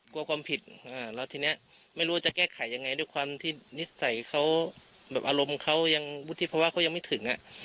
กลัวความผิดแล้วทีนี้ไม่รู้ว่าจะแก้ไขยังไงด้วยความที่นิสัยเขาแบบอารมณ์เขายังวุฒิภาวะเขายังไม่ถึงอ่ะ